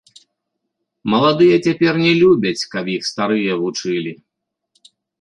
Маладыя цяпер не любяць, каб іх старыя вучылі.